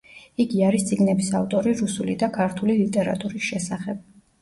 იგი არის წიგნების ავტორი რუსული და ქართული ლიტერატურის შესახებ.